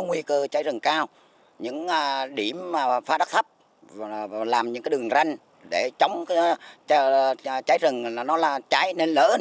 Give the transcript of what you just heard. nguy cơ cháy rừng cao những điểm phá đất thấp làm những đường ranh để chống cháy rừng nó là cháy nên lớn